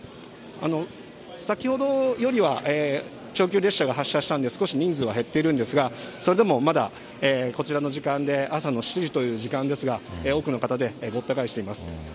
先ほどよりは長距離列車が発車したんで、少し人数は減っているんですが、それでもまだこちらの時間で朝の７時という時間ですが、多くの方でごった返しています。